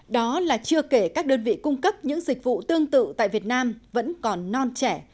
đó là chưa kể các đơn vị cung cấp những dịch vụ tương tự tại việt nam vẫn còn non trẻ